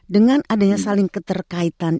dengan adanya saling keterkaitan